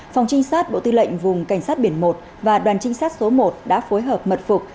phòng trinh sát bộ tư lệnh vùng cảnh sát biển một và đoàn trinh sát số một đã phối hợp mật phục